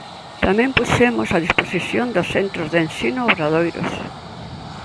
Tamén puxemos a disposición dos centros de ensino obradoiros.